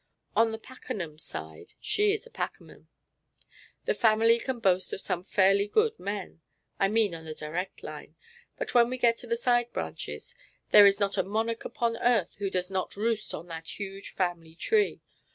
On the Packenham side (she is a Packenham) the family can boast of some fairly good men I mean on the direct line but when we get on the side branches there is not a monarch upon earth who does not roost on that huge family tree.